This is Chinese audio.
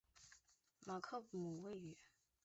马克姆位于。